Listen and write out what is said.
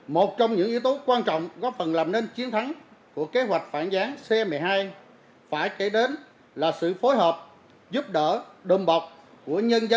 một trong những yếu tố quan trọng góp phần làm nên chiến thắng của kế hoạch phản gián c một mươi hai phải kể đến là sự phối hợp giúp đỡ đùm bọc của nhân dân